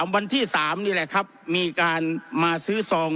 วันที่๓นี่แหละครับมีการมาซื้อซอง